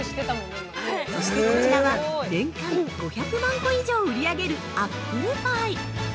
そして、こちらは年間５００万個以上売り上げるアップルパイ。